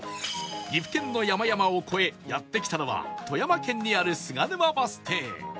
岐阜県の山々を越えやって来たのは富山県にある菅沼バス停